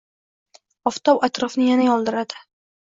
Oftob atrofni yana yondiradi.